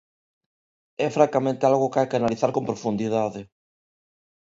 É francamente algo que hai que analizar con profundidade.